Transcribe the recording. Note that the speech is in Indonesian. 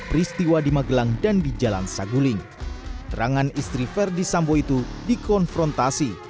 peristiwa di magelang dan di jalan saguling terangan istri verdi sambo itu dikonfrontasi